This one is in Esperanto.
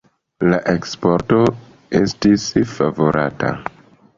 La eksporto estis favorata.